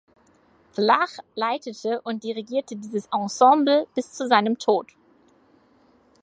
Vlach leitete und dirigierte dieses Ensemble bis zu seinem Tod.